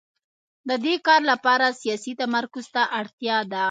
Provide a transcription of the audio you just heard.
د دې کار لپاره سیاسي تمرکز ته اړتیا ده.